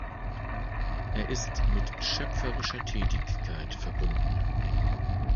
Er ist mit schöpferischer Tätigkeit verbunden.